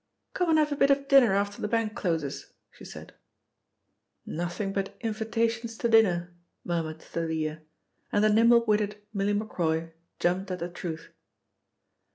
"Come and have a bit of dinner after the bank closes," she said. "Nothing but invitations to dinner," murmured Thalia and the nimble witted Milly Macroy jumped at the truth.